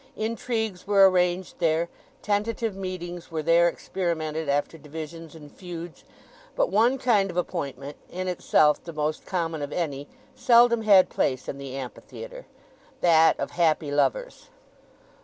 Intrigues were arranged there; tentative meetings were there experimented after divisions and feuds. But one kind of appointment—in itself the most common of any—seldom had place in the Amphitheatre: that of happy lovers.